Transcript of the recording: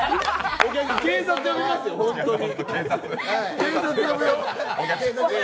警察呼びますよ、本当に。